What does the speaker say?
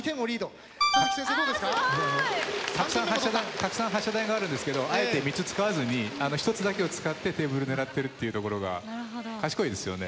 たくさん発射台があるんですけどあえて３つ使わずに１つだけを使ってテーブル狙ってるっていうところが賢いですよね。